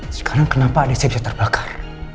sekarang kenapa ada saya bisa terbakar